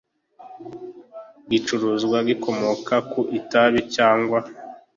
Gicuruzwa gikomoka ku itabi cyangwa